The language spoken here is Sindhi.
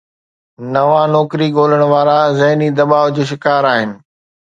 نوان نوڪري ڳولڻ وارا ذهني دٻاءُ جو شڪار آهن